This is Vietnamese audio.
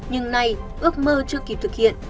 nhưng nay ước mơ chưa kịp thực hiện